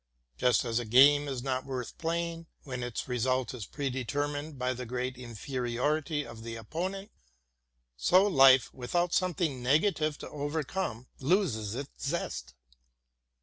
Just as a game is not worth plajdng when its result is predetermined by the great inferiority of the opponent, so life without something negative to overcome loses its zest.